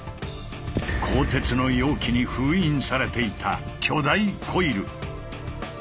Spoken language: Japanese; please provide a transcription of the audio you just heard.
鋼鉄の容器に封印されていた巨大コイル。